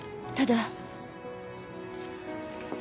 ただ。